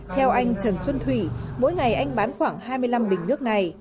theo anh trần xuân thủy mỗi ngày anh bán khoảng hai mươi năm bình nước này